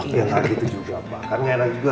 iya gak gitu juga kan gak enak juga